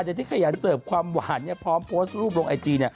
เดี๋ยวที่ขยันเสิร์ฟความหวานพร้อมโพสต์รูปลงไอจี